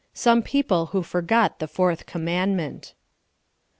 SOME PEOPLE WHO FORGOT THE FOURTH COMMANDMENT.